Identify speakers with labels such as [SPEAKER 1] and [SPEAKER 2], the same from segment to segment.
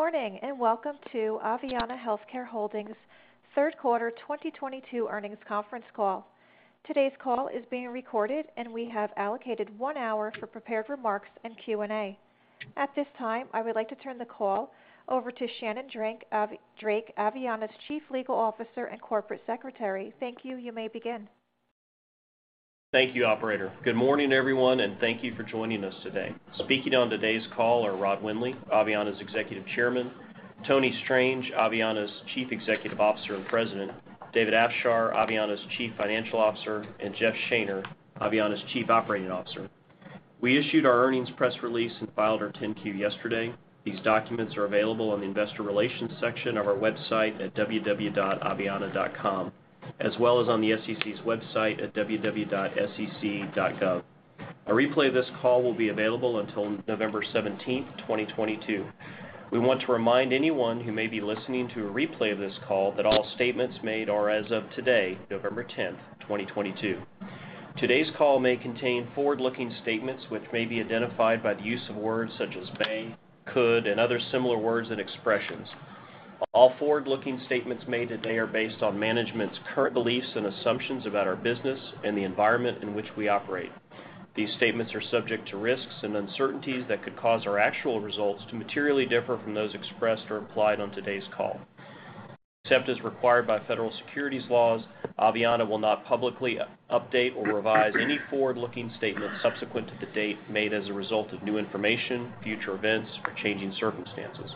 [SPEAKER 1] Good morning, and welcome to Aveanna Healthcare Holdings' third quarter 2022 earnings conference call. Today's call is being recorded, and we have allocated one hour for prepared remarks and Q&A. At this time, I would like to turn the call over to Shannon Drake, Aveanna's Chief Legal Officer and Corporate Secretary. Thank you. You may begin.
[SPEAKER 2] Thank you, operator. Good morning, everyone, and thank you for joining us today. Speaking on today's call are Rod Windley, Aveanna's Executive Chairman, Tony Strange, Aveanna's Chief Executive Officer and President, David Afshar, Aveanna's Chief Financial Officer, and Jeff Shaner, Aveanna's Chief Operating Officer. We issued our earnings press release and filed our 10-Q yesterday. These documents are available on the investor relations section of our website at www.aveanna.com, as well as on the SEC's website at www.sec.gov. A replay of this call will be available until November 17th, 2022. We want to remind anyone who may be listening to a replay of this call that all statements made are as of today, November 10th, 2022. Today's call may contain forward-looking statements, which may be identified by the use of words such as may, could, and other similar words and expressions. All forward-looking statements made today are based on management's current beliefs and assumptions about our business and the environment in which we operate. These statements are subject to risks and uncertainties that could cause our actual results to materially differ from those expressed or implied on today's call. Except as required by federal securities laws, Aveanna will not publicly update or revise any forward-looking statements subsequent to the date made as a result of new information, future events or changing circumstances.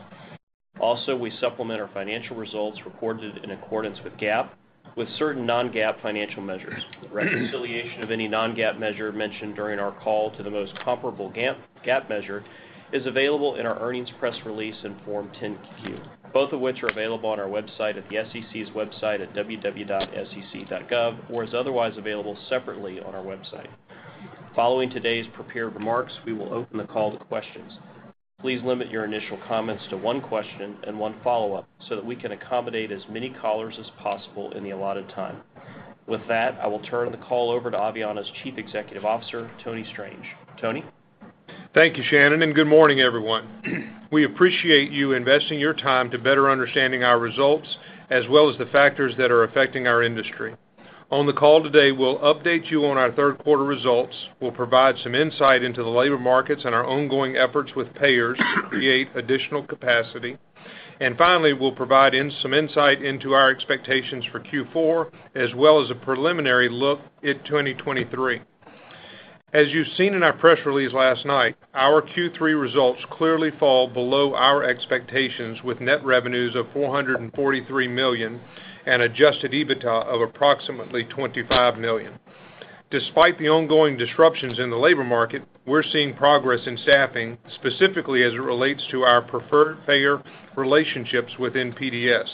[SPEAKER 2] Also, we supplement our financial results reported in accordance with GAAP with certain non-GAAP financial measures. Reconciliation of any non-GAAP measure mentioned during our call to the most comparable GAAP measure is available in our earnings press release and Form 10-Q, both of which are available on our website at the SEC's website at www.sec.gov or is otherwise available separately on our website. Following today's prepared remarks, we will open the call to questions. Please limit your initial comments to one question and one follow-up so that we can accommodate as many callers as possible in the allotted time. With that, I will turn the call over to Aveanna's Chief Executive Officer, Tony Strange. Tony?
[SPEAKER 3] Thank you, Shannon, and good morning, everyone. We appreciate you investing your time to better understanding our results as well as the factors that are affecting our industry. On the call today, we'll update you on our third quarter results. We'll provide some insight into the labor markets and our ongoing efforts with payers to create additional capacity. Finally, we'll provide some insight into our expectations for Q4 as well as a preliminary look at 2023. As you've seen in our press release last night, our Q3 results clearly fall below our expectations with net revenues of $443 million and adjusted EBITDA of approximately $25 million. Despite the ongoing disruptions in the labor market, we're seeing progress in staffing, specifically as it relates to our preferred payer relationships within PDS.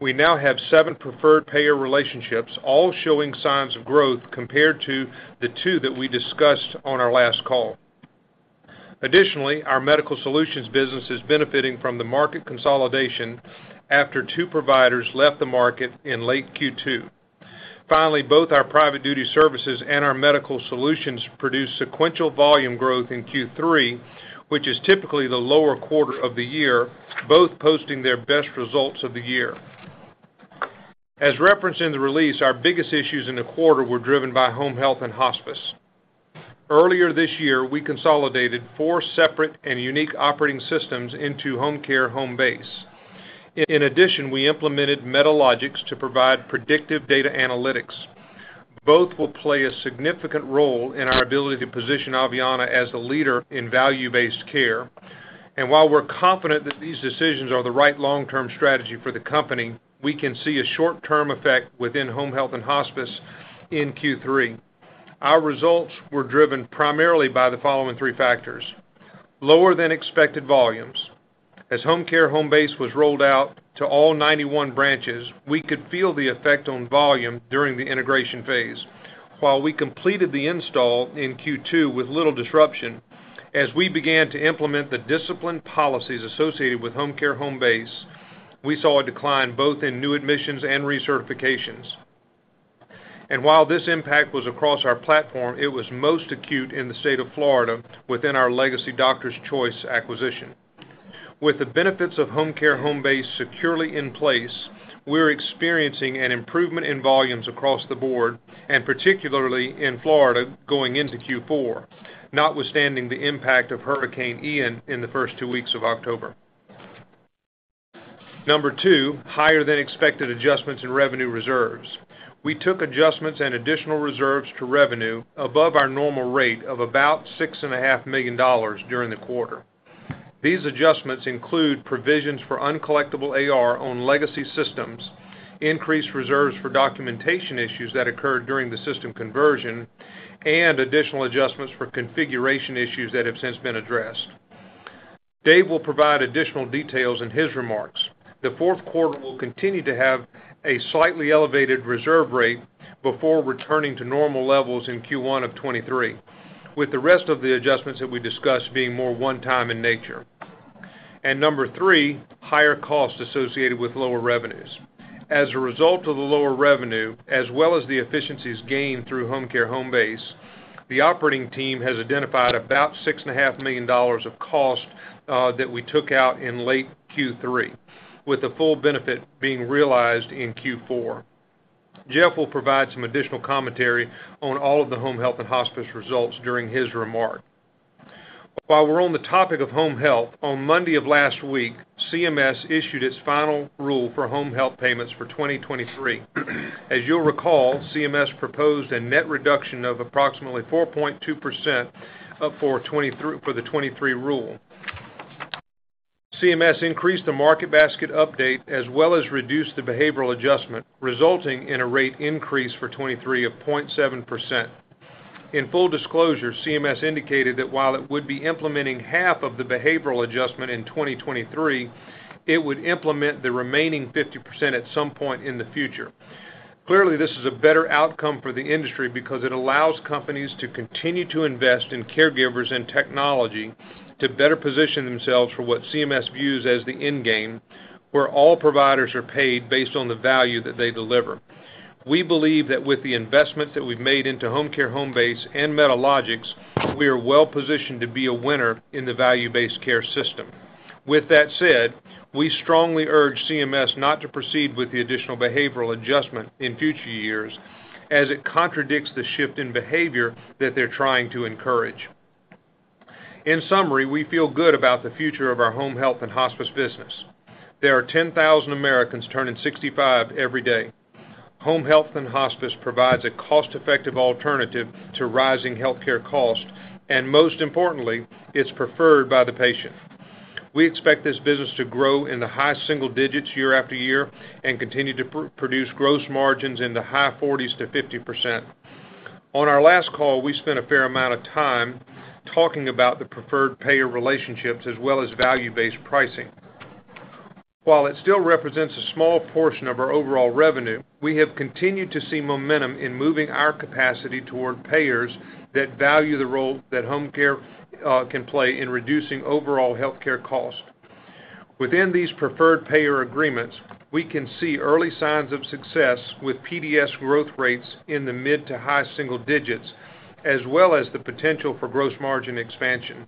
[SPEAKER 3] We now have seven preferred payer relationships, all showing signs of growth compared to the two that we discussed on our last call. Additionally, our Medical Solutions business is benefiting from the market consolidation after two providers left the market in late Q2. Finally, both our Private Duty Services and our Medical Solutions produced sequential volume growth in Q3, which is typically the lower quarter of the year, both posting their best results of the year. As referenced in the release, our biggest issues in the quarter Home Health and Hospice. Earlier this year, we consolidated four separate and unique operating systems into Homecare Homebase. In addition, we implemented Medalogix to provide predictive data analytics. Both will play a significant role in our ability to position Aveanna as the leader in value-based care. While we're confident that these decisions are the right long-term strategy for the company, we can see a Home Health and Hospice in Q3. Our results were driven primarily by the following three factors. Lower than expected volumes. As Homecare Homebase was rolled out to all 91 branches, we could feel the effect on volume during the integration phase. While we completed the install in Q2 with little disruption, as we began to implement the disciplined policies associated with Homecare Homebase, we saw a decline both in new admissions and recertifications. While this impact was across our platform, it was most acute in the state of Florida within our legacy Doctor's Choice acquisition. With the benefits of Homecare Homebase securely in place, we're experiencing an improvement in volumes across the board, and particularly in Florida going into Q4, notwithstanding the impact of Hurricane Ian in the first two weeks of October. Number two, higher than expected adjustments in revenue reserves. We took adjustments and additional reserves to revenue above our normal rate of about $6.5 million during the quarter. These adjustments include provisions for uncollectible AR on legacy systems, increased reserves for documentation issues that occurred during the system conversion, and additional adjustments for configuration issues that have since been addressed. Dave will provide additional details in his remarks. The fourth quarter will continue to have a slightly elevated reserve rate before returning to normal levels in Q1 of 2023, with the rest of the adjustments that we discussed being more one-time in nature. Number three, higher costs associated with lower revenues. As a result of the lower revenue, as well as the efficiencies gained through Homecare Homebase, the operating team has identified about $6.5 million of cost that we took out in late Q3, with the full benefit being realized in Q4. Jeff will provide some additional commentary on all of the Home Health and Hospice results during his remark. While we're on the topic of home health, on Monday of last week, CMS issued its final rule for Home Health payments for 2023. As you'll recall, CMS proposed a net reduction of approximately 4.2% for the 2023 rule. CMS increased the market basket update, as well as reduced the behavioral adjustment, resulting in a rate increase for 2023 of 0.7%. In full disclosure, CMS indicated that while it would be implementing half of the behavioral adjustment in 2023, it would implement the remaining 50% at some point in the future. Clearly, this is a better outcome for the industry because it allows companies to continue to invest in caregivers and technology to better position themselves for what CMS views as the endgame, where all providers are paid based on the value that they deliver. We believe that with the investment that we've made into Homecare Homebase and Medalogix, we are well-positioned to be a winner in the value-based care system. With that said, we strongly urge CMS not to proceed with the additional behavioral adjustment in future years as it contradicts the shift in behavior that they're trying to encourage. In summary, we feel good about the future of our Home Health and Hospice business. There are 10,000 Americans turning 65 every day. Home Health and Hospice provides a cost-effective alternative to rising healthcare costs, and most importantly, it's preferred by the patient. We expect this business to grow in the high single digits year after year and continue to produce gross margins in the high 40%-50%. On our last call, we spent a fair amount of time talking about the preferred payer relationships as well as value-based pricing. While it still represents a small portion of our overall revenue, we have continued to see momentum in moving our capacity toward payers that value the role that home care can play in reducing overall healthcare costs. Within these preferred payer agreements, we can see early signs of success with PDS growth rates in the mid- to high single digits, as well as the potential for gross margin expansion.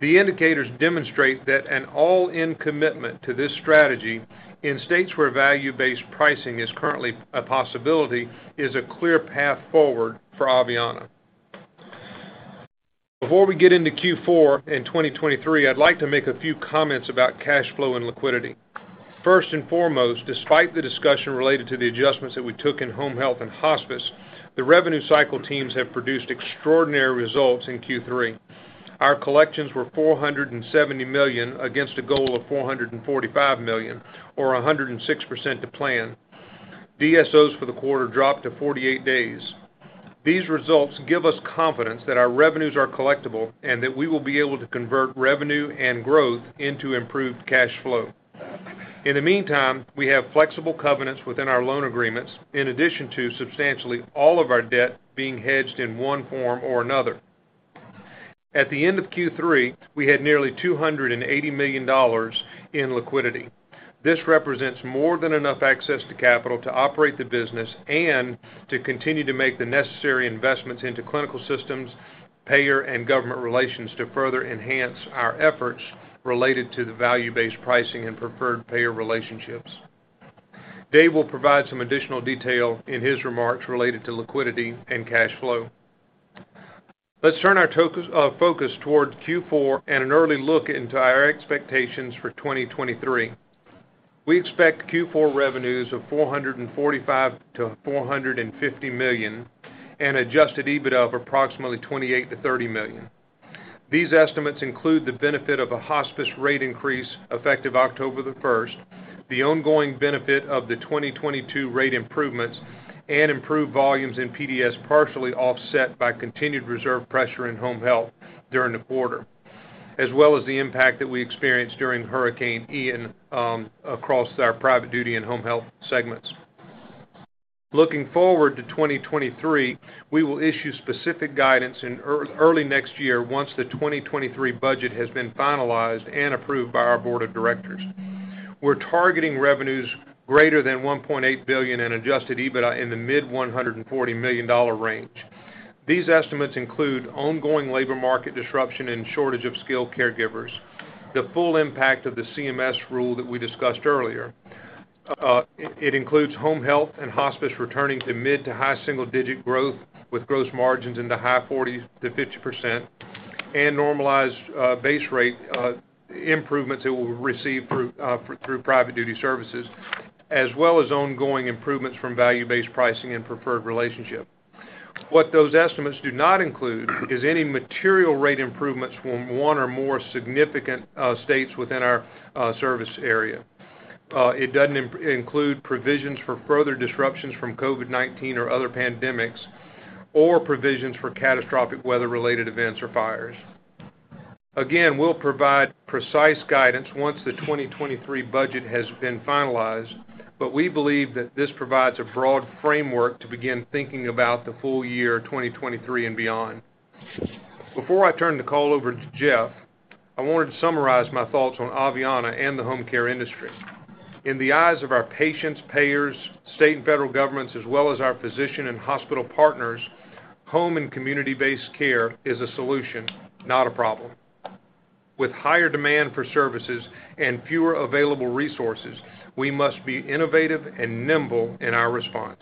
[SPEAKER 3] The indicators demonstrate that an all-in commitment to this strategy in states where value-based pricing is currently a possibility is a clear path forward for Aveanna. Before we get into Q4 and 2023, I'd like to make a few comments about cash flow and liquidity. First and foremost, despite the discussion related to the adjustments that we took in Home Health and Hospice, the revenue cycle teams have produced extraordinary results in Q3. Our collections were $470 million against a goal of $445 million or 106% to plan. DSOs for the quarter dropped to 48 days. These results give us confidence that our revenues are collectible and that we will be able to convert revenue and growth into improved cash flow. In the meantime, we have flexible covenants within our loan agreements, in addition to substantially all of our debt being hedged in one form or another. At the end of Q3, we had nearly $280 million in liquidity. This represents more than enough access to capital to operate the business and to continue to make the necessary investments into clinical systems, payer and government relations to further enhance our efforts related to the value-based pricing and preferred payer relationships. Dave will provide some additional detail in his remarks related to liquidity and cash flow. Let's turn our focus towards Q4 and an early look into our expectations for 2023. We expect Q4 revenues of $445 million-$450 million and adjusted EBITDA of approximately $28 million-$30 million. These estimates include the benefit of a hospice rate increase effective October 1st, the ongoing benefit of the 2022 rate improvements and improved volumes in PDS, partially offset by continued reserve pressure in home health during the quarter, as well as the impact that we experienced during Hurricane Ian across our private duty and home health segments. Looking forward to 2023, we will issue specific guidance in early next year once the 2023 budget has been finalized and approved by our board of directors. We're targeting revenues greater than $1.8 billion in adjusted EBITDA in the mid-$140 million range. These estimates include ongoing labor market disruption and shortage of skilled caregivers, the full impact of the CMS rule that we discussed earlier. It includes Home Health and Hospice returning to mid- to high single-digit growth with gross margins in the high 40%-50% and normalized base rate improvements that we'll receive through private duty services, as well as ongoing improvements from value-based pricing and preferred relationship. What those estimates do not include is any material rate improvements from one or more significant states within our service area. It doesn't include provisions for further disruptions from COVID-19 or other pandemics or provisions for catastrophic weather-related events or fires. Again, we'll provide precise guidance once the 2023 budget has been finalized, but we believe that this provides a broad framework to begin thinking about the full year 2023 and beyond. Before I turn the call over to Jeff, I wanted to summarize my thoughts on Aveanna and the home care industry. In the eyes of our patients, payers, state and federal governments, as well as our physician and hospital partners, home and community-based care is a solution, not a problem. With higher demand for services and fewer available resources, we must be innovative and nimble in our response.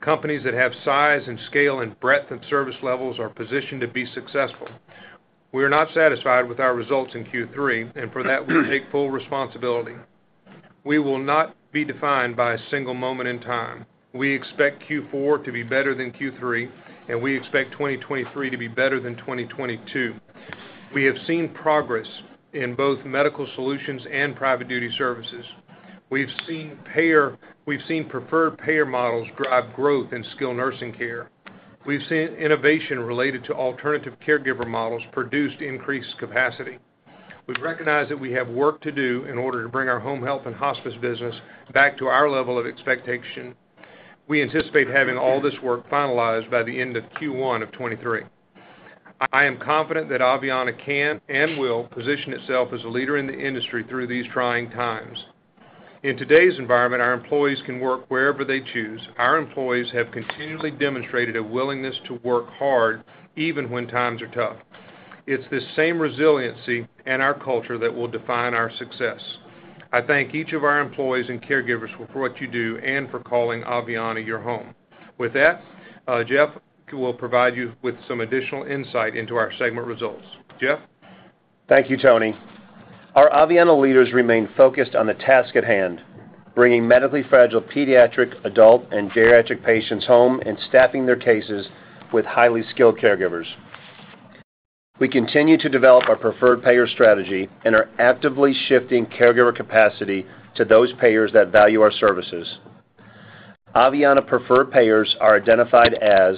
[SPEAKER 3] Companies that have size and scale and breadth of service levels are positioned to be successful. We are not satisfied with our results in Q3, and for that, we take full responsibility. We will not be defined by a single moment in time. We expect Q4 to be better than Q3, and we expect 2023 to be better than 2022. We have seen progress in both Medical Solutions and Private Duty Services. We've seen preferred payer models drive growth in skilled nursing care. We've seen innovation related to alternative caregiver models produce increased capacity. We recognize that we have work to do in order to bring our Home Health and Hospice business back to our level of expectation. We anticipate having all this work finalized by the end of Q1 of 2023. I am confident that Aveanna can and will position itself as a leader in the industry through these trying times. In today's environment, our employees can work wherever they choose. Our employees have continuously demonstrated a willingness to work hard, even when times are tough. It's this same resiliency and our culture that will define our success. I thank each of our employees and caregivers for what you do and for calling Aveanna your home. With that, Jeff will provide you with some additional insight into our segment results. Jeff?
[SPEAKER 4] Thank you, Tony. Our Aveanna leaders remain focused on the task at hand, bringing medically fragile pediatric, adult, and geriatric patients home and staffing their cases with highly skilled caregivers. We continue to develop our preferred payer strategy and are actively shifting caregiver capacity to those payers that value our services. Aveanna preferred payers are identified as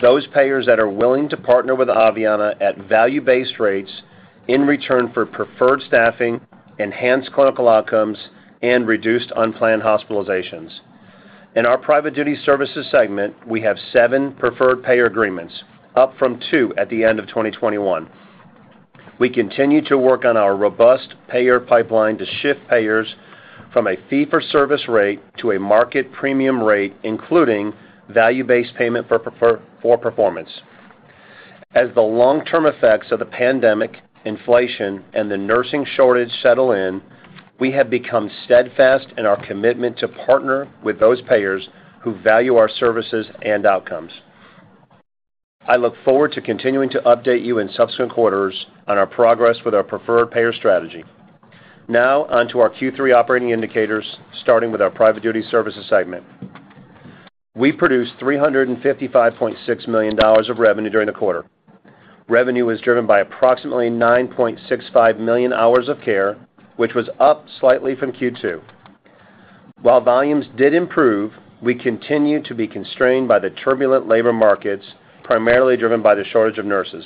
[SPEAKER 4] those payers that are willing to partner with Aveanna at value-based rates in return for preferred staffing, enhanced clinical outcomes, and reduced unplanned hospitalizations. In our Private Duty Services segment, we have seven preferred payer agreements, up from two at the end of 2021. We continue to work on our robust payer pipeline to shift payers from a fee-for-service rate to a market premium rate, including value-based payment for pay-for-performance. As the long-term effects of the pandemic, inflation, and the nursing shortage settle in, we have become steadfast in our commitment to partner with those payers who value our services and outcomes. I look forward to continuing to update you in subsequent quarters on our progress with our preferred payer strategy. Now on to our Q3 operating indicators, starting with our private duty services segment. We produced $355.6 million of revenue during the quarter. Revenue was driven by approximately 9.65 million hours of care, which was up slightly from Q2. While volumes did improve, we continue to be constrained by the turbulent labor markets, primarily driven by the shortage of nurses.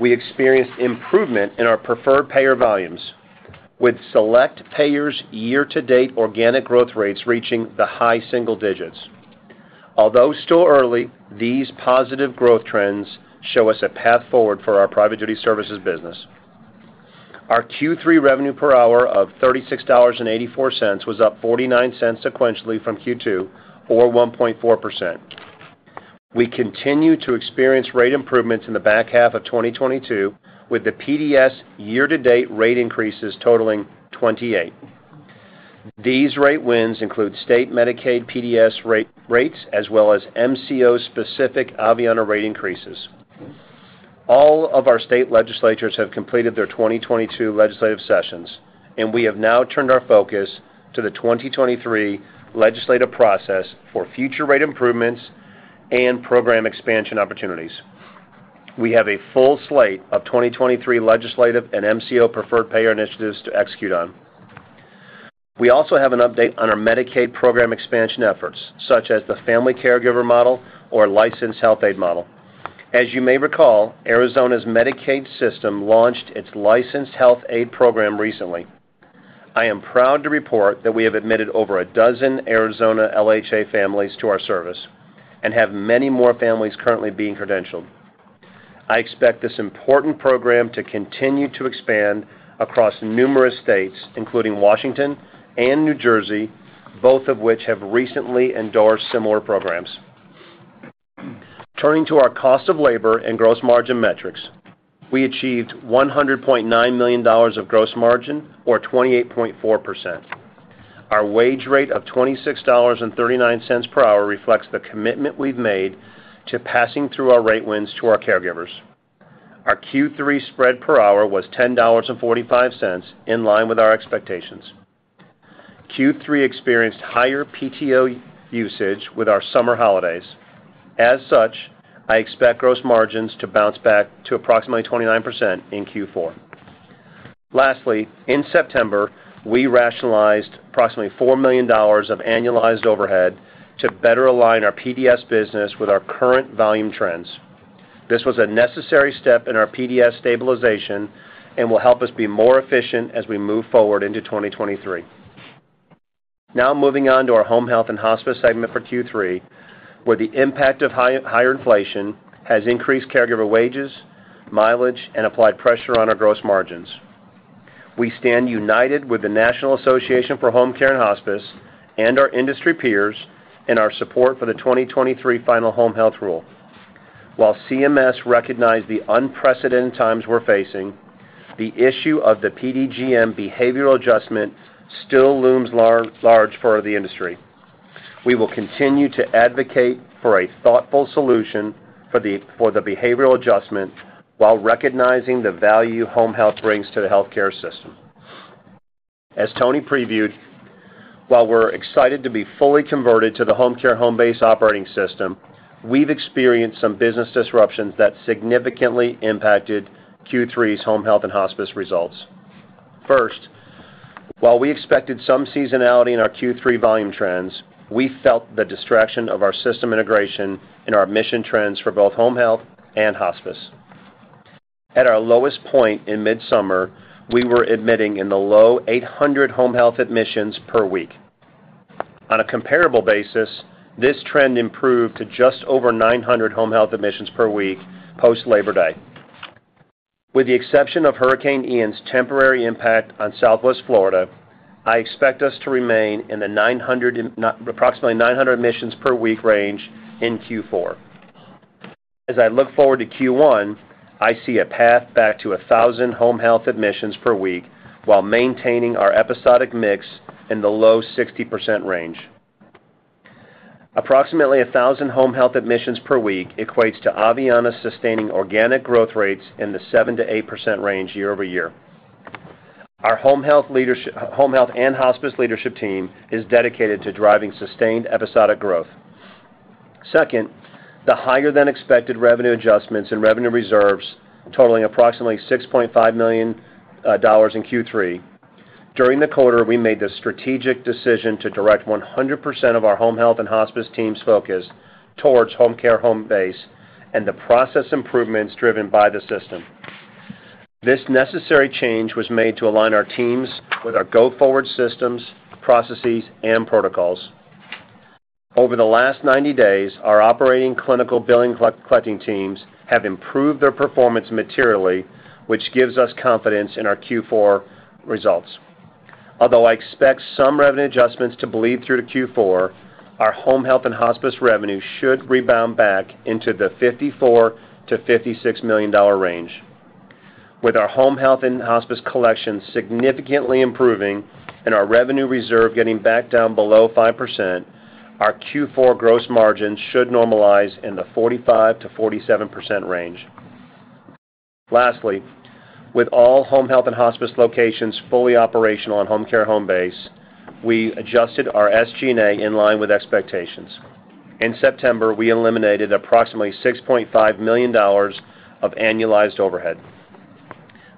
[SPEAKER 4] We experienced improvement in our preferred payer volumes, with select payers year-to-date organic growth rates reaching the high single digits. Although still early, these positive growth trends show us a path forward for our Private Duty Services business. Our Q3 revenue per hour of $36.84 was up $0.49 sequentially from Q2 or 1.4%. We continue to experience rate improvements in the back half of 2022, with the PDS year-to-date rate increases totaling 28. These rate wins include state Medicaid PDS rates, as well as MCO-specific Aveanna rate increases. All of our state legislatures have completed their 2022 legislative sessions, and we have now turned our focus to the 2023 legislative process for future rate improvements and program expansion opportunities. We have a full slate of 2023 legislative and MCO preferred payer initiatives to execute on. We also have an update on our Medicaid program expansion efforts, such as the Family Caregiver Model or Licensed Health Aide Model. As you may recall, Arizona's Medicaid system launched its Licensed Health Aide program recently. I am proud to report that we have admitted over a dozen Arizona LHA families to our service and have many more families currently being credentialed. I expect this important program to continue to expand across numerous states, including Washington and New Jersey, both of which have recently endorsed similar programs. Turning to our cost of labor and gross margin metrics, we achieved $100.9 million of gross margin or 28.4%. Our wage rate of $26.39 per hour reflects the commitment we've made to passing through our rate wins to our caregivers. Our Q3 spread per hour was $10.45, in line with our expectations. Q3 experienced higher PTO usage with our summer holidays. As such, I expect gross margins to bounce back to approximately 29% in Q4. Lastly, in September, we rationalized approximately $4 million of annualized overhead to better align our PDS business with our current volume trends. This was a necessary step in our PDS stabilization and will help us be more efficient as we move forward into 2023. Now moving on to our Home Health and Hospice segment for Q3, where the impact of higher inflation has increased caregiver wages, mileage, and applied pressure on our gross margins. We stand united with the National Association for Home Care & Hospice and our industry peers in our support for the 2023 final home health rule. While CMS recognized the unprecedented times we're facing, the issue of the PDGM behavioral adjustment still looms large for the industry. We will continue to advocate for a thoughtful solution for the behavioral adjustment while recognizing the value home health brings to the healthcare system. As Tony previewed, while we're excited to be fully converted to the Homecare Homebase operating system, we've experienced some business disruptions that significantly impacted Q3's Home Health and Hospice results. First, while we expected some seasonality in our Q3 volume trends, we felt the distraction of our system integration in our admission trends for both Home Health and Hospice. At our lowest point in midsummer, we were admitting in the low 800 home health admissions per week. On a comparable basis, this trend improved to just over 900 home health admissions per week post Labor Day. With the exception of Hurricane Ian's temporary impact on Southwest Florida, I expect us to remain in the approximately 900 admissions per week range in Q4. As I look forward to Q1, I see a path back to 1,000 home health admissions per week while maintaining our episodic mix in the low 60% range. Approximately 1,000 home health admissions per week equates to Aveanna sustaining organic growth rates in the 7%-8% range year-over-year. Our Home Health and Hospice leadership team is dedicated to driving sustained episodic growth. Second, the higher than expected revenue adjustments and revenue reserves totaling approximately $6.5 million dollars in Q3. During the quarter, we made the strategic decision to direct 100% of our Home Health and Hospice team's focus towards Homecare Homebase and the process improvements driven by the system. This necessary change was made to align our teams with our go-forward systems, processes, and protocols. Over the last 90 days, our operating, clinical, billing, collecting teams have improved their performance materially, which gives us confidence in our Q4 results. Although I expect some revenue adjustments to bleed through to Q4, our Home Health and Hospice revenue should rebound back into the $54 million-$56 million range. With our Home Health and Hospice collection significantly improving and our revenue reserve getting back down below 5%, our Q4 gross margin should normalize in the 45%-47% range. Lastly, with all Home Health and Hospice locations fully operational on Homecare Homebase, we adjusted our SG&A in line with expectations. In September, we eliminated approximately $6.5 million of annualized overhead.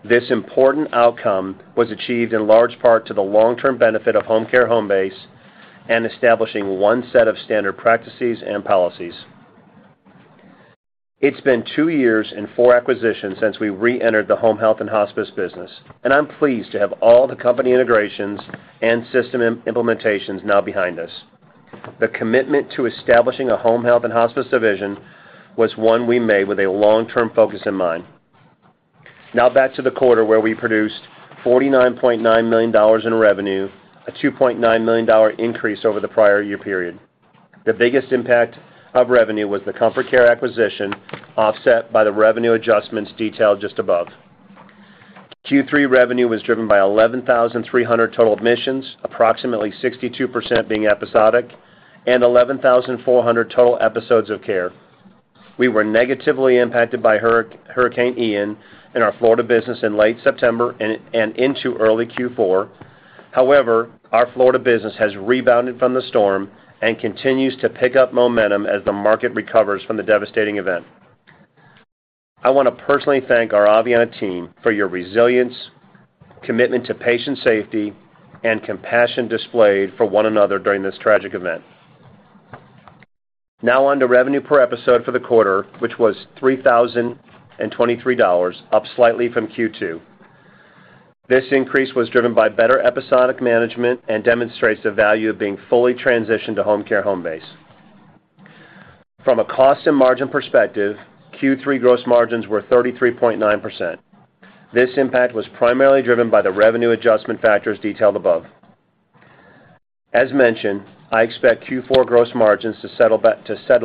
[SPEAKER 4] This important outcome was achieved in large part to the long-term benefit of Homecare Homebase and establishing one set of standard practices and policies. It's been two years and four acquisitions since we reentered the Home Health and Hospice business, and I'm pleased to have all the company integrations and system implementations now behind us. The commitment to establishing a Home Health and Hospice division was one we made with a long-term focus in mind. Now back to the quarter where we produced $49.9 million in revenue, a $2.9 million increase over the prior year period. The biggest impact of revenue was the Comfort Care acquisition, offset by the revenue adjustments detailed just above. Q3 revenue was driven by 11,000 total admissions, approximately 62% being episodic, and 11,400 total episodes of care. We were negatively impacted by Hurricane Ian in our Florida business in late September and into early Q4. However, our Florida business has rebounded from the storm and continues to pick up momentum as the market recovers from the devastating event. I wanna personally thank our Aveanna team for your resilience, commitment to patient safety, and compassion displayed for one another during this tragic event. Now on to revenue per episode for the quarter, which was $3,023, up slightly from Q2. This increase was driven by better episodic management and demonstrates the value of being fully transitioned to Homecare Homebase. From a cost and margin perspective, Q3 gross margins were 33.9%. This impact was primarily driven by the revenue adjustment factors detailed above. As mentioned, I expect Q4 gross margins to settle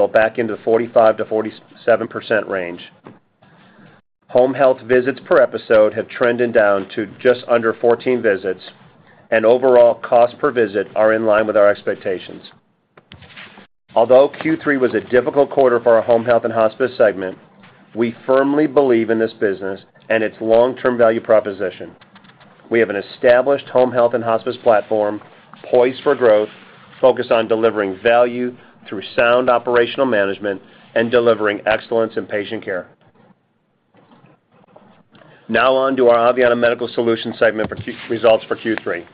[SPEAKER 4] back into the 45%-47% range. Home health visits per episode have trended down to just under 14 visits, and overall costs per visit are in line with our expectations. Although Q3 was a difficult quarter for our Home Health and Hospice segment, we firmly believe in this business and its long-term value proposition. We have an established Home Health and Hospice platform poised for growth, focused on delivering value through sound operational management and delivering excellence in patient care. Now on to our Aveanna Medical Solutions segment for results for Q3.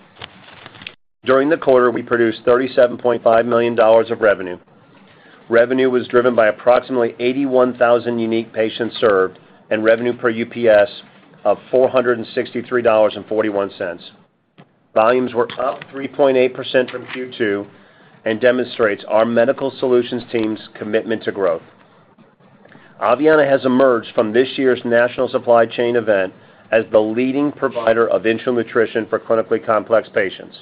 [SPEAKER 4] During the quarter, we produced $37.5 million of revenue. Revenue was driven by approximately 81,000 unique patients served and revenue per UPS of $463.41. Volumes were up 3.8% from Q2 and demonstrates our Medical Solutions team's commitment to growth. Aveanna has emerged from this year's national supply chain event as the leading provider of enteral nutrition for clinically complex patients.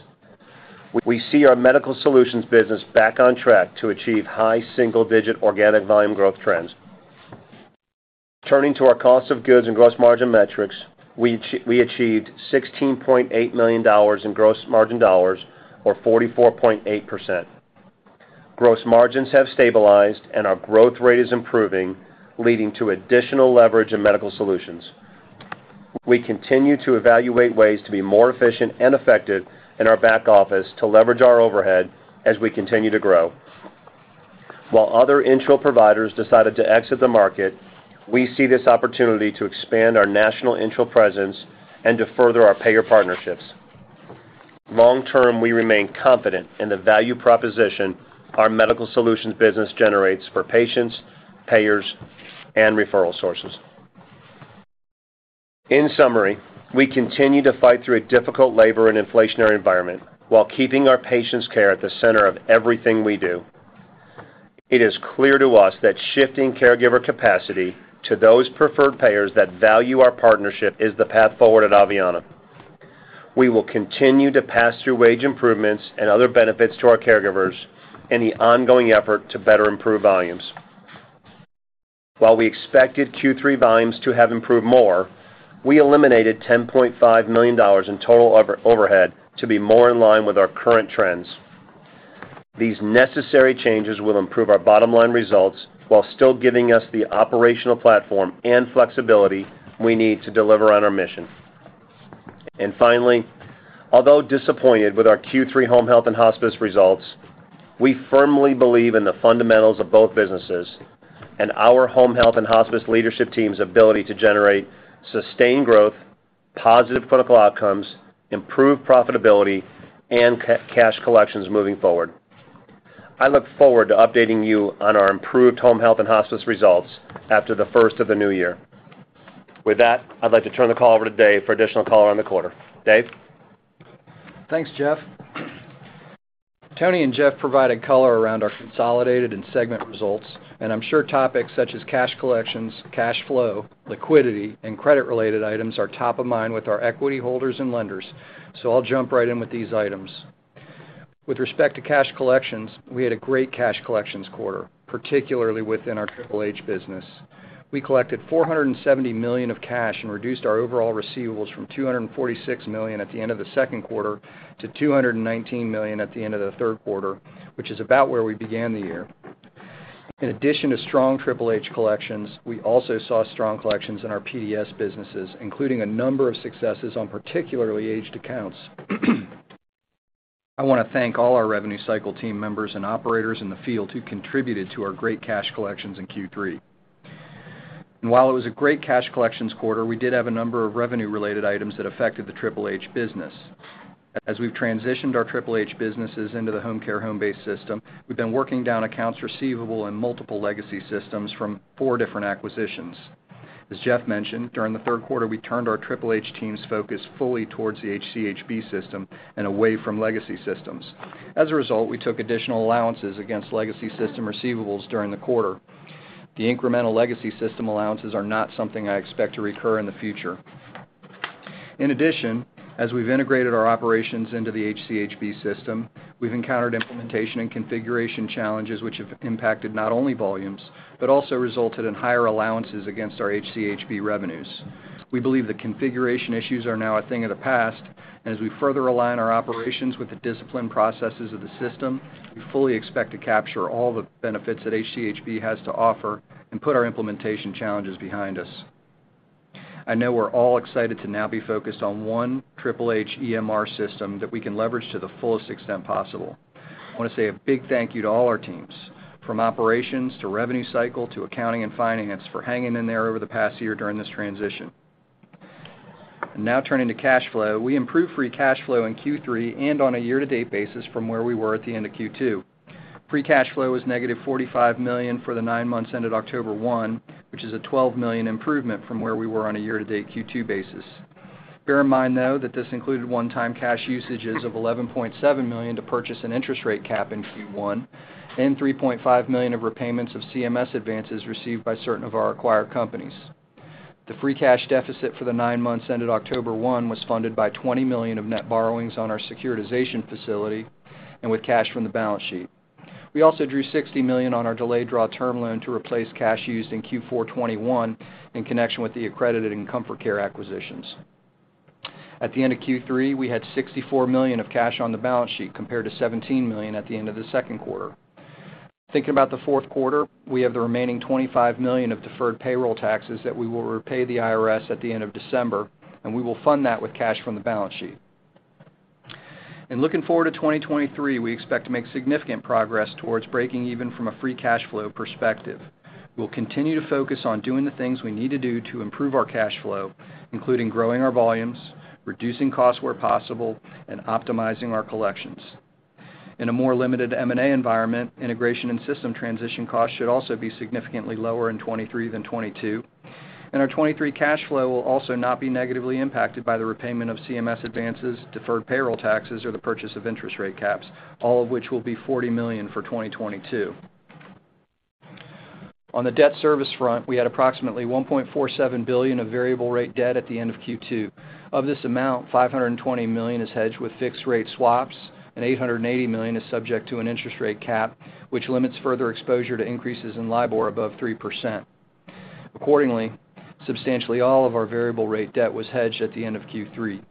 [SPEAKER 4] We see our Medical Solutions business back on track to achieve high single-digit organic volume growth trends. Turning to our cost of goods and gross margin metrics, we achieved $16.8 million in gross margin dollars, or 44.8%. Gross margins have stabilized, and our growth rate is improving, leading to additional leverage in Medical Solutions. We continue to evaluate ways to be more efficient and effective in our back office to leverage our overhead as we continue to grow. While other enteral providers decided to exit the market, we see this opportunity to expand our national enteral presence and to further our payer partnerships. Long term, we remain confident in the value proposition our Medical Solutions business generates for patients, payers, and referral sources. In summary, we continue to fight through a difficult labor and inflationary environment while keeping our patients' care at the center of everything we do. It is clear to us that shifting caregiver capacity to those preferred payers that value our partnership is the path forward at Aveanna. We will continue to pass through wage improvements and other benefits to our caregivers in the ongoing effort to better improve volumes. While we expected Q3 volumes to have improved more, we eliminated $10.5 million in total overhead to be more in line with our current trends. These necessary changes will improve our bottom-line results while still giving us the operational platform and flexibility we need to deliver on our mission. Finally, although disappointed with our Q3 Home Health and Hospice results, we firmly believe in the fundamentals of both businesses and our Home Health and Hospice leadership team's ability to generate sustained growth, positive clinical outcomes, improved profitability, and cash collections moving forward. I look forward to updating you on our improved Home Health and Hospice results after the first of the new year. With that, I'd like to turn the call over to David for additional color on the quarter. David?
[SPEAKER 5] Thanks, Jeff. Tony and Jeff provided color around our consolidated and segment results, and I'm sure topics such as cash collections, cash flow, liquidity, and credit-related items are top of mind with our equity holders and lenders, so I'll jump right in with these items. With respect to cash collections, we had a great cash collections quarter, particularly within our HHH business. We collected $470 million of cash and reduced our overall receivables from $246 million at the end of the second quarter to $219 million at the end of the third quarter, which is about where we began the year. In addition to strong HHH collections, we also saw strong collections in our PDS businesses, including a number of successes on particularly aged accounts. I want to thank all our revenue cycle team members and operators in the field who contributed to our great cash collections in Q3. While it was a great cash collections quarter, we did have a number of revenue-related items that affected the HHH business. As we've transitioned our HHH businesses into the Homecare Homebase system, we've been working down accounts receivable in multiple legacy systems from four different acquisitions. As Jeff mentioned, during the third quarter, we turned our HHH team's focus fully towards the HCHB system and away from legacy systems. As a result, we took additional allowances against legacy system receivables during the quarter. The incremental legacy system allowances are not something I expect to recur in the future. In addition, as we've integrated our operations into the HCHB system, we've encountered implementation and configuration challenges which have impacted not only volumes, but also resulted in higher allowances against our HCHB revenues. We believe the configuration issues are now a thing of the past, and as we further align our operations with the disciplined processes of the system, we fully expect to capture all the benefits that HCHB has to offer and put our implementation challenges behind us. I know we're all excited to now be focused on one HHH EMR system that we can leverage to the fullest extent possible. I want to say a big thank you to all our teams, from operations to revenue cycle to accounting and finance, for hanging in there over the past year during this transition. Now turning to cash flow. We improved free cash flow in Q3 and on a year-to-date basis from where we were at the end of Q2. Free cash flow was -$45 million for the 9 months ended October 1, which is a $12 million improvement from where we were on a year-to-date Q2 basis. Bear in mind, though, that this included one-time cash usages of $11.7 million to purchase an interest rate cap in Q1 and $3.5 million of repayments of CMS advances received by certain of our acquired companies. The free cash deficit for the 9 months ended October 1 was funded by $20 million of net borrowings on our securitization facility and with cash from the balance sheet. We also drew $60 million on our delayed draw term loan to replace cash used in Q4 2021 in connection with the Accredited and Comfort Care acquisitions. At the end of Q3, we had $64 million of cash on the balance sheet, compared to $17 million at the end of the second quarter. Thinking about the fourth quarter, we have the remaining $25 million of deferred payroll taxes that we will repay the IRS at the end of December, and we will fund that with cash from the balance sheet. Looking forward to 2023, we expect to make significant progress towards breaking even from a free cash flow perspective. We'll continue to focus on doing the things we need to do to improve our cash flow, including growing our volumes, reducing costs where possible, and optimizing our collections. In a more limited M&A environment, integration and system transition costs should also be significantly lower in 2023 than 2022. Our 2023 cash flow will also not be negatively impacted by the repayment of CMS advances, deferred payroll taxes, or the purchase of interest rate caps, all of which will be $40 million for 2022. On the debt service front, we had approximately $1.47 billion of variable rate debt at the end of Q2. Of this amount, $520 million is hedged with fixed rate swaps, and $880 million is subject to an interest rate cap, which limits further exposure to increases in LIBOR above 3%. Accordingly, substantially all of our variable rate debt was hedged at the end of Q3.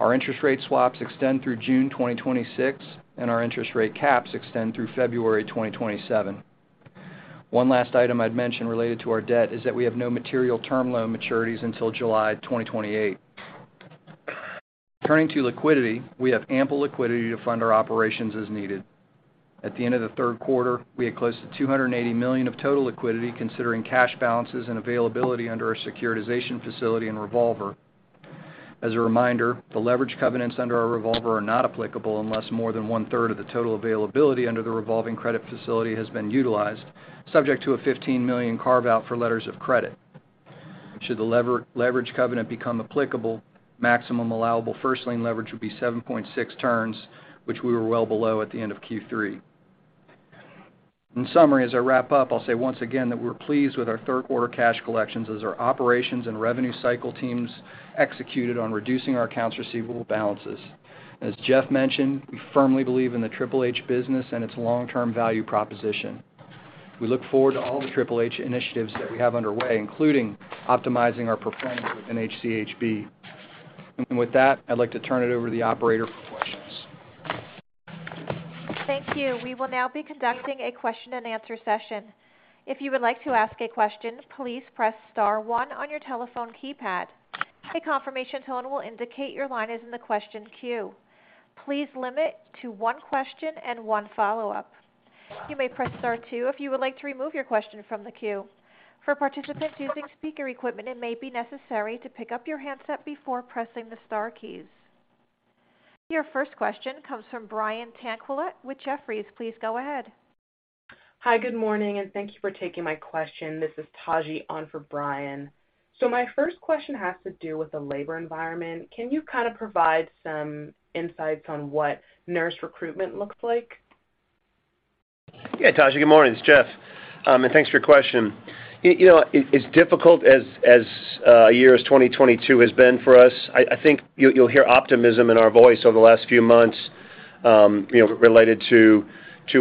[SPEAKER 5] Our interest rate swaps extend through June 2026, and our interest rate caps extend through February 2027. One last item I'd mention related to our debt is that we have no material term loan maturities until July 2028. Turning to liquidity, we have ample liquidity to fund our operations as needed. At the end of the third quarter, we had close to $280 million of total liquidity considering cash balances and availability under our securitization facility and revolver. As a reminder, the leverage covenants under our revolver are not applicable unless more than one-third of the total availability under the revolving credit facility has been utilized, subject to a $15 million carve-out for letters of credit. Should the leverage covenant become applicable, maximum allowable first lien leverage would be 7.6 turns, which we were well below at the end of Q3. In summary, as I wrap up, I'll say once again that we're pleased with our third quarter cash collections as our operations and revenue cycle teams executed on reducing our accounts receivable balances. As Jeff mentioned, we firmly believe in the HHH business and its long-term value proposition. We look forward to all the HHH initiatives that we have underway, including optimizing our performance within HCHB. With that, I'd like to turn it over to the operator for questions.
[SPEAKER 1] Thank you. We will now be conducting a question-and-answer session. If you would like to ask a question, please press star one on your telephone keypad. A confirmation tone will indicate your line is in the question queue. Please limit to one question and one follow-up. You may press star two if you would like to remove your question from the queue. For participants using speaker equipment, it may be necessary to pick up your handset before pressing the star keys. Your first question comes from Brian Tanquilut with Jefferies. Please go ahead.
[SPEAKER 6] Hi, good morning, and thank you for taking my question. This is Taji on for Brian. My first question has to do with the labor environment. Can you kind of provide some insights on what nurse recruitment looks like?
[SPEAKER 4] Yeah, Taji, good morning. It's Jeff. Thanks for your question. You know, as difficult as a year as 2022 has been for us, I think you'll hear optimism in our voice over the last few months, you know, related to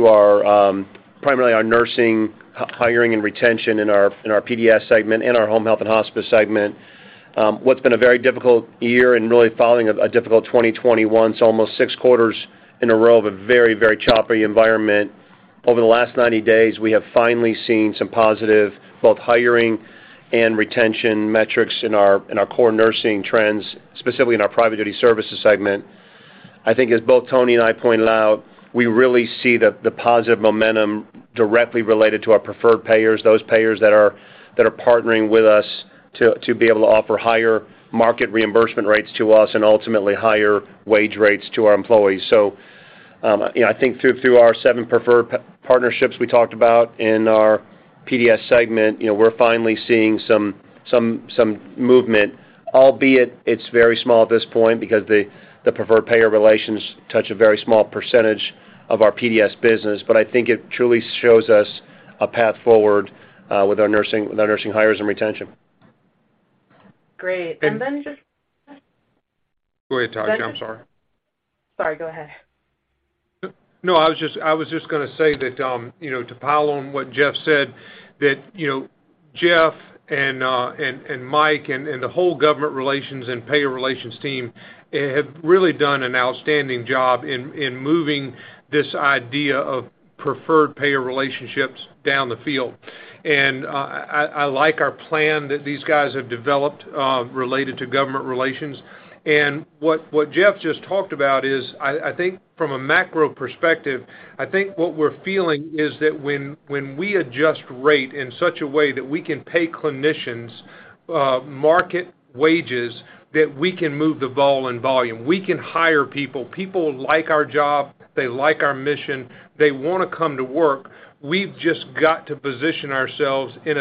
[SPEAKER 4] our primarily our nursing hiring and retention in our PDS segment and our Home Health and Hospice segment. What's been a very difficult year and really following a difficult 2021, so almost six quarters in a row of a very choppy environment. Over the last 90 days, we have finally seen some positive both hiring and retention metrics in our core nursing trends, specifically in our Private Duty Services segment. I think as both Tony and I pointed out, we really see the positive momentum directly related to our preferred payers, those payers that are partnering with us to be able to offer higher market reimbursement rates to us and ultimately higher wage rates to our employees. You know, I think through our seven preferred partnerships we talked about in our PDS segment, you know, we're finally seeing some movement, albeit it's very small at this point because the preferred payer relations touch a very small percentage of our PDS business. I think it truly shows us a path forward with our nursing hires and retention.
[SPEAKER 6] Great.
[SPEAKER 3] Go ahead, Taji. I'm sorry.
[SPEAKER 6] Sorry, go ahead.
[SPEAKER 3] No, I was just gonna say that, you know, to follow on what Jeff said, that, you know, Jeff and Mike and the whole government relations and payer relations team have really done an outstanding job in moving this idea of preferred payer relationships down the field. I like our plan that these guys have developed, related to government relations. What Jeff just talked about is I think from a macro perspective, I think what we're feeling is that when we adjust rate in such a way that we can pay clinicians market wages, that we can move the ball in volume. We can hire people. People like our job. They like our mission. They wanna come to work. We've just got to position ourselves in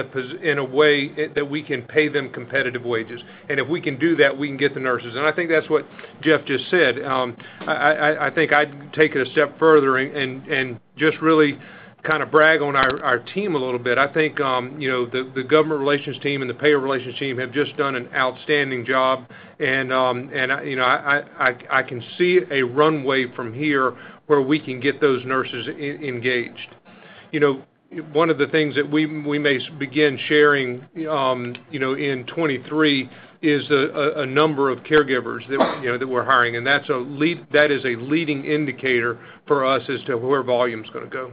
[SPEAKER 3] a way that we can pay them competitive wages. If we can do that, we can get the nurses. I think that's what Jeff just said. I think I'd take it a step further and just really kind of brag on our team a little bit. I think you know, the government relations team and the payer relations team have just done an outstanding job. You know, I can see a runway from here where we can get those nurses engaged. You know, one of the things that we may begin sharing, you know, in 2023 is a number of caregivers that, you know, that we're hiring. That's a leading indicator for us as to where volume's gonna go.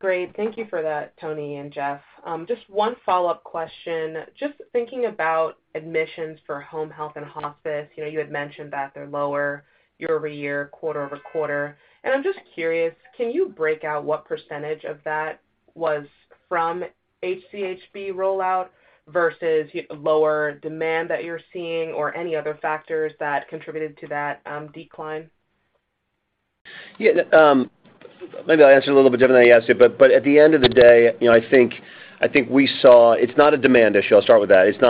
[SPEAKER 6] Great. Thank you for that, Tony and Jeff. Just one follow-up question. Just thinking about admissions for Home Health and Hospice. You know, you had mentioned that they're lower year-over-year, quarter-over-quarter. I'm just curious, can you break out what percentage of that was from HCHB rollout versus lower demand that you're seeing or any other factors that contributed to that, decline?
[SPEAKER 4] Yeah, maybe I'll answer a little bit different than you asked it, but at the end of the day, you know, I think we saw it's not a demand issue. I'll start with that. It's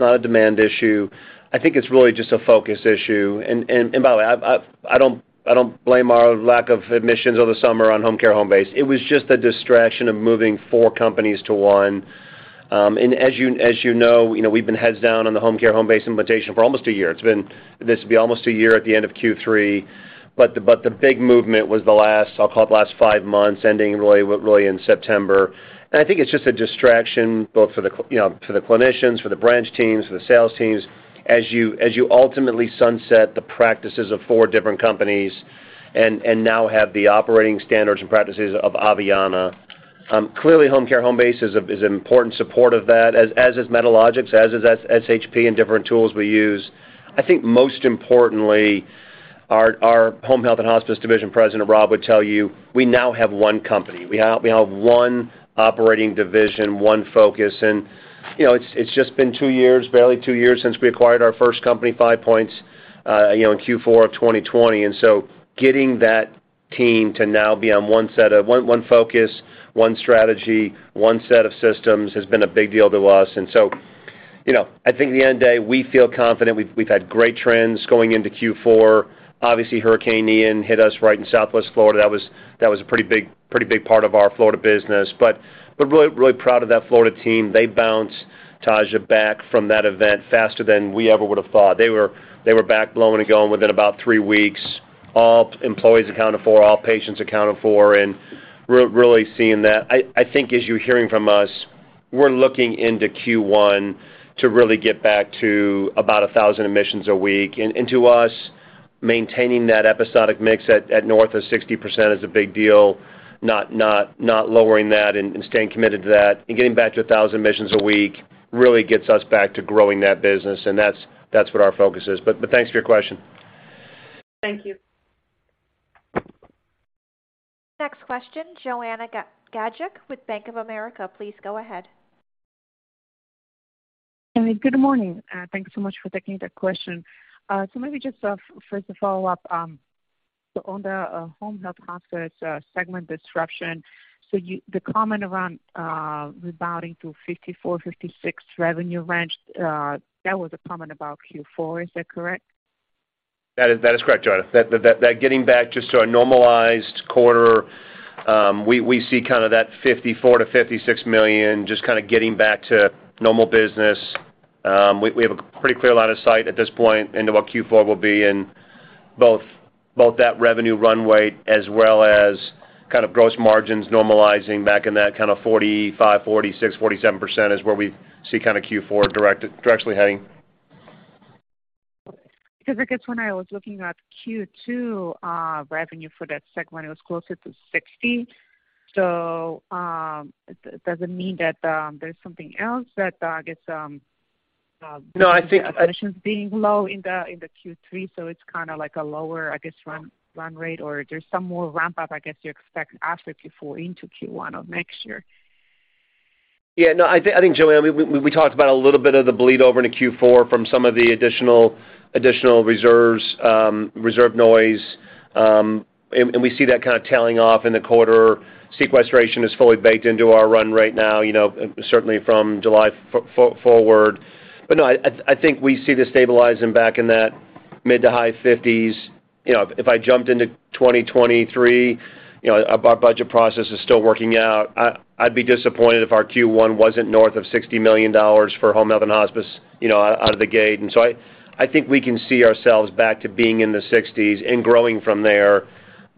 [SPEAKER 4] not a demand issue. I think it's really just a focus issue. By the way, I don't blame our lack of admissions over the summer on Homecare Homebase. It was just the distraction of moving four companies to one. As you know, we've been heads down on the Homecare Homebase implementation for almost a year. This will be almost a year at the end of Q3. But the big movement was the last. I'll call it the last five months, ending really in September. I think it's just a distraction both for the clinicians, you know, for the clinicians, for the branch teams, for the sales teams, as you ultimately sunset the practices of four different companies and now have the operating standards and practices of Aveanna. Clearly Homecare Homebase is an important support of that, as is Medalogix, as is SHP and different tools we use. I think most importantly, our Home Health and Hospice division president, Rob, would tell you, we now have one company. We have one operating division, one focus. You know, it's just been two years, barely two years since we acquired our first company, Five Points, you know, in Q4 of 2020. Getting that team to now be on one set of one focus, one strategy, one set of systems has been a big deal to us. You know, I think at the end of the day, we feel confident. We've had great trends going into Q4. Obviously, Hurricane Ian hit us right in Southwest Florida. That was a pretty big part of our Florida business. Really proud of that Florida team. They bounced, Taji, back from that event faster than we ever would have thought. They were back blowing and going within about three weeks. All employees accounted for, all patients accounted for, and really seeing that. I think as you're hearing from us, we're looking into Q1 to really get back to about 1,000 admissions a week. To us, maintaining that episodic mix at north of 60% is a big deal. Not lowering that and staying committed to that and getting back to 1000 admissions a week really gets us back to growing that business. That's what our focus is. Thanks for your question.
[SPEAKER 6] Thank you.
[SPEAKER 1] Next question, Joanna Gajuk with Bank of America, please go ahead.
[SPEAKER 7] Good morning. Thanks so much for taking the question. Let me just first a follow-up. On the Home Health and Hospice segment disruption, the comment around rebounding to $54 million-$56 million revenue range, that was a comment about Q4. Is that correct?
[SPEAKER 4] That is correct, Joanna. That getting back just to a normalized quarter, we see kind of that $54 million-$56 million just kinda getting back to normal business. We have a pretty clear line of sight at this point into what Q4 will be in both that revenue runway as well as kind of gross margins normalizing back in that kind of 45%-47% is where we see kinda Q4 directly heading.
[SPEAKER 7] Because I guess when I was looking at Q2, revenue for that segment, it was closer to $60 million. Does it mean that there's something else that I guess?
[SPEAKER 4] No, I think.
[SPEAKER 7] Admissions being low in Q3, so it's kinda like a lower run rate, I guess, or there's some more ramp up, I guess, you expect after Q4 into Q1 of next year.
[SPEAKER 4] Yeah, no. I think, Joanna, we talked about a little bit of the bleed over into Q4 from some of the additional reserves, reserve noise. We see that kinda tailing off in the quarter. Sequestration is fully baked into our run rate now, you know, certainly from July forward. No, I think we see this stabilizing back in that mid- to high 50s. You know, if I jumped into 2023, you know, our budget process is still working out. I'd be disappointed if our Q1 wasn't north of $60 million for Home Health and Hospice, you know, out of the gate. I think we can see ourselves back to being in the 60s and growing from there.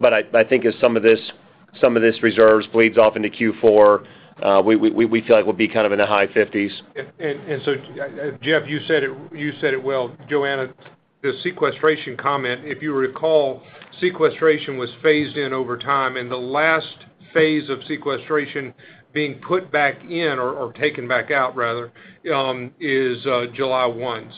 [SPEAKER 4] I think as some of this reserves bleeds off into Q4, we feel like we'll be kind of in the high 50s.
[SPEAKER 3] Jeff, you said it well. Joanna, the sequestration comment, if you recall, sequestration was phased in over time, and the last phase of sequestration being put back in or taken back out rather, is July 1.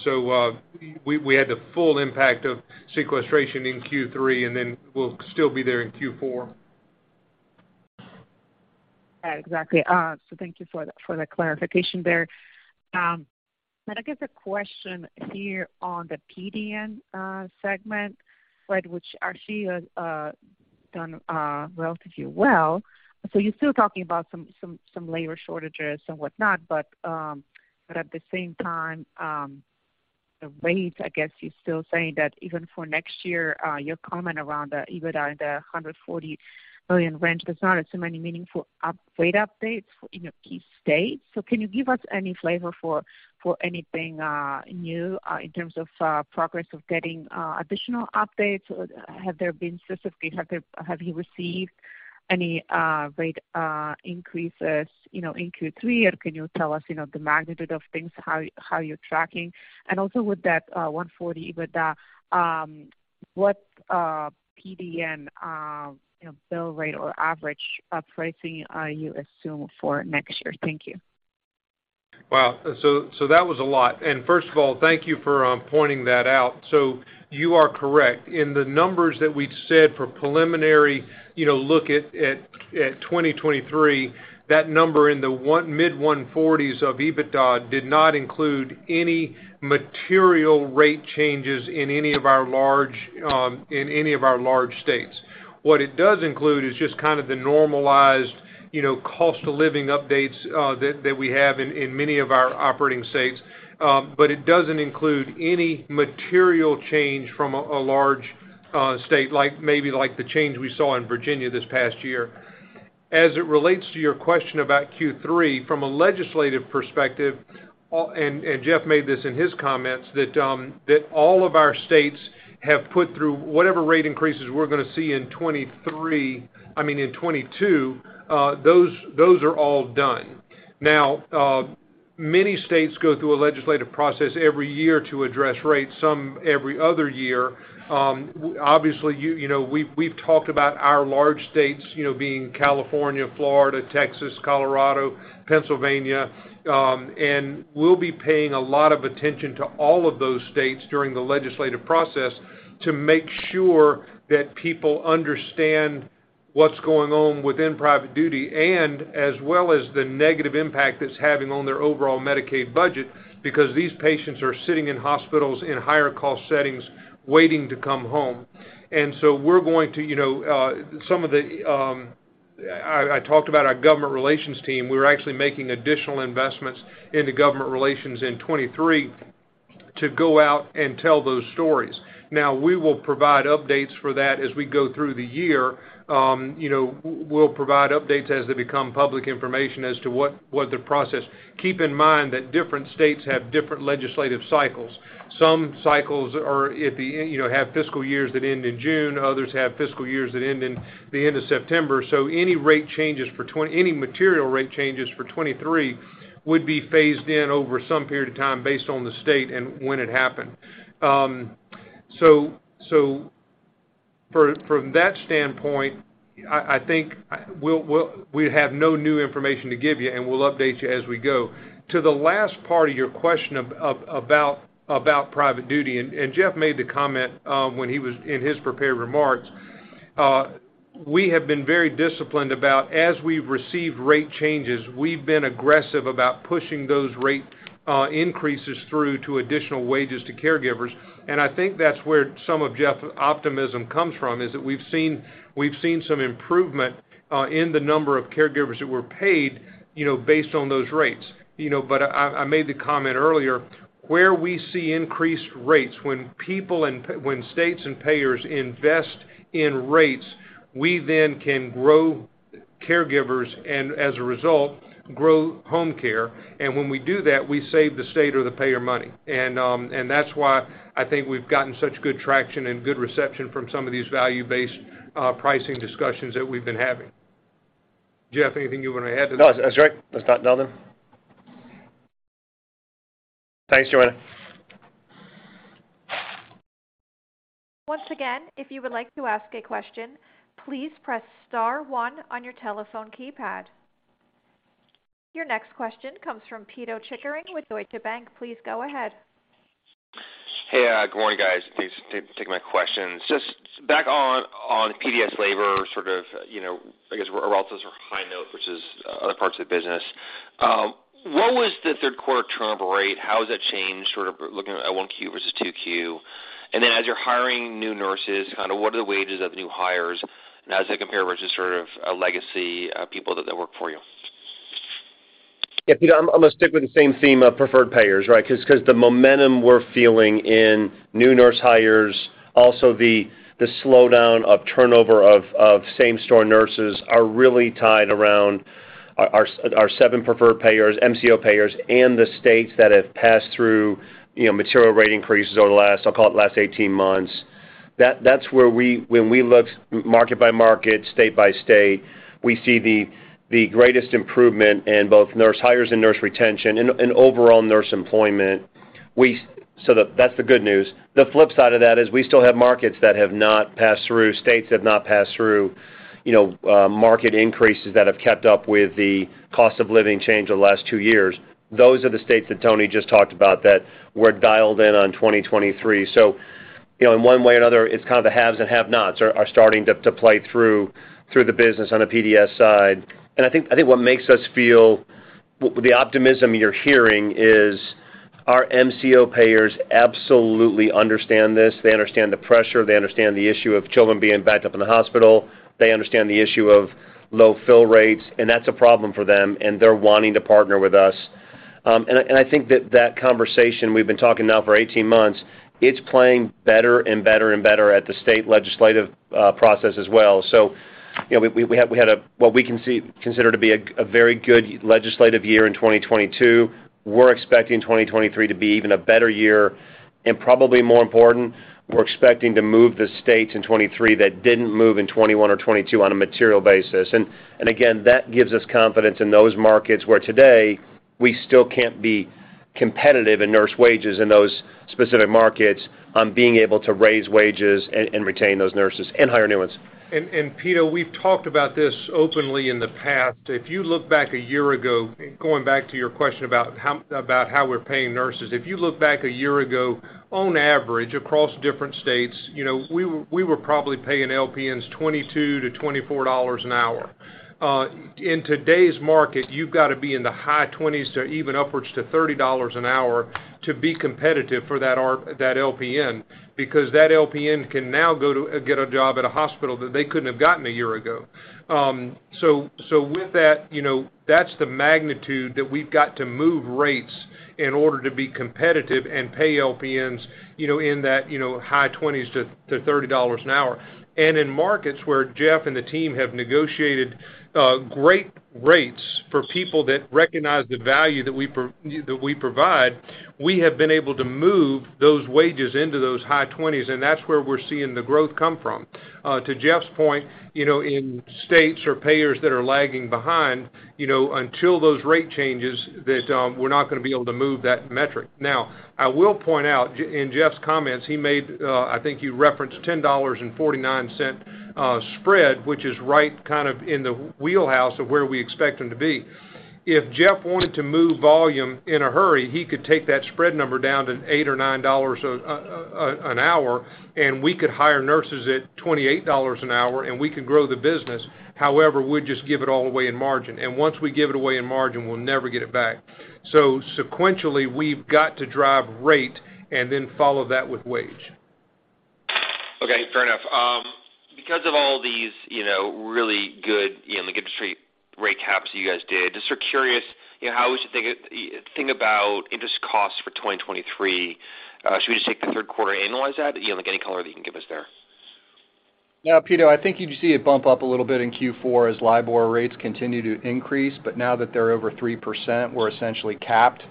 [SPEAKER 3] We had the full impact of sequestration in Q3, and then we'll still be there in Q4.
[SPEAKER 7] Yeah, exactly. Thank you for the clarification there. I guess a question here on the PDN segment, right, which actually has done relatively well. You're still talking about some labor shortages and whatnot, but at the same time, the rates, I guess you're still saying that even for next year, your comment around the EBITDA in the $140 million range, there's not so many meaningful up-rate updates in your key states. Can you give us any flavor for anything new in terms of progress of getting additional updates? Or have there been specifically, have you received any rate increases, you know, in Q3? Or can you tell us, you know, the magnitude of things, how you're tracking? Also with that, $140 million EBITDA. What PDN bill rate or average pricing you assume for next year? Thank you.
[SPEAKER 3] Wow. That was a lot. First of all, thank you for pointing that out. You are correct. In the numbers that we've said for preliminary look at 2023, that number in the mid-140s of EBITDA did not include any material rate changes in any of our large states. What it does include is just kind of the normalized cost of living updates that we have in many of our operating states. It doesn't include any material change from a large state, like maybe the change we saw in Virginia this past year. As it relates to your question about Q3, from a legislative perspective, and Jeff made this in his comments, that all of our states have put through whatever rate increases we're gonna see in 2023, I mean, in 2022, those are all done. Now, many states go through a legislative process every year to address rates, some every other year. Obviously, you know, we've talked about our large states, you know, being California, Florida, Texas, Colorado, Pennsylvania, and we'll be paying a lot of attention to all of those states during the legislative process to make sure that people understand what's going on within private duty and as well as the negative impact it's having on their overall Medicaid budget because these patients are sitting in hospitals in higher cost settings waiting to come home. I talked about our government relations team. We're actually making additional investments into government relations in 2023 to go out and tell those stories. Now, we will provide updates for that as we go through the year. We'll provide updates as they become public information as to what the process. Keep in mind that different states have different legislative cycles. Some cycles have fiscal years that end in June, others have fiscal years that end at the end of September. Any material rate changes for 2023 would be phased in over some period of time based on the state and when it happened. From that standpoint, I think we have no new information to give you, and we'll update you as we go. To the last part of your question about private duty, and Jeff made the comment when he was in his prepared remarks, we have been very disciplined about as we've received rate changes. We've been aggressive about pushing those rate increases through to additional wages to caregivers. I think that's where some of Jeff's optimism comes from, is that we've seen some improvement in the number of caregivers that were paid, you know, based on those rates. You know, but I made the comment earlier, where we see increased rates when states and payers invest in rates. We then can grow caregivers and, as a result, grow home care. When we do that, we save the state or the payer money. That's why I think we've gotten such good traction and good reception from some of these value-based pricing discussions that we've been having. Jeff, anything you want to add to that?
[SPEAKER 4] No, that's great. That's not nothing. Thanks, Joanna.
[SPEAKER 1] Once again, if you would like to ask a question, please press star one on your telephone keypad. Your next question comes from Pito Chickering with Deutsche Bank. Please go ahead.
[SPEAKER 8] Hey, good morning, guys. Please take my questions. Just back on PDS labor, sort of, you know, I guess, or else as a high note, which is other parts of the business. What was the third quarter turnover rate? How has that changed, sort of looking at 1Q versus 2Q? And then as you're hiring new nurses, kinda what are the wages of new hires and how does that compare versus sort of legacy people that work for you?
[SPEAKER 4] Yeah, Pito, I'm gonna stick with the same theme of preferred payers, right? 'Cause the momentum we're feeling in new nurse hires, also the slowdown of turnover of same store nurses are really tied around our seven preferred payers, MCO payers, and the states that have passed through, you know, material rate increases over the last, I'll call it last 18 months. That's where, when we look market by market, state by state, we see the greatest improvement in both nurse hires and nurse retention and overall nurse employment. That's the good news. The flip side of that is we still have markets that have not passed through, states that have not passed through, you know, market increases that have kept up with the cost of living change over the last two years. Those are the states that Tony just talked about that we're dialed in on 2023. You know, in one way or another, it's kind of the haves and have-nots are starting to play through the business on the PDS side. I think what makes us feel well, the optimism you're hearing is our MCO payers absolutely understand this. They understand the pressure. They understand the issue of children being backed up in the hospital. They understand the issue of low fill rates, and that's a problem for them, and they're wanting to partner with us. I think that conversation we've been talking now for 18 months, it's playing better and better and better at the state legislative process as well. You know, we had what we can consider to be a very good legislative year in 2022. We're expecting 2023 to be even a better year. Again, that gives us confidence in those markets where today we still can't be competitive in nurse wages in those specific markets on being able to raise wages and retain those nurses and hire new ones.
[SPEAKER 3] Pito, we've talked about this openly in the past. If you look back a year ago, going back to your question about how we're paying nurses, on average, across different states, you know, we were probably paying LPNs $22-$24 an hour. In today's market, you've got to be in the high 20s to even upwards to $30 an hour to be competitive for that LPN because that LPN can now get a job at a hospital that they couldn't have gotten a year ago. With that, you know, that's the magnitude that we've got to move rates in order to be competitive and pay LPNs, you know, in that high 20s to $30 an hour. In markets where Jeff and the team have negotiated great rates for people that recognize the value that we provide, we have been able to move those wages into those high 20s, and that's where we're seeing the growth come from. To Jeff's point, you know, in states or payers that are lagging behind, you know, until those rate changes, that we're not gonna be able to move that metric. Now, I will point out in Jeff's comments, he made, I think he referenced $10.49 spread, which is right kind of in the wheelhouse of where we expect them to be. If Jeff wanted to move volume in a hurry, he could take that spread number down to $8 or $9 an hour, and we could hire nurses at $28 an hour, and we can grow the business. However, we'd just give it all away in margin. Once we give it away in margin, we'll never get it back. Sequentially, we've got to drive rate and then follow that with wage.
[SPEAKER 8] Okay, fair enough. Because of all these, you know, really good, you know, like industry rate caps you guys did, just sort of curious, you know, how would you think about interest costs for 2023? Should we just take the third quarter, annualize that? You know, like any color that you can give us there.
[SPEAKER 5] Yeah, Pito, I think you just see it bump up a little bit in Q4 as LIBOR rates continue to increase, but now that they're over 3%, we're essentially capped.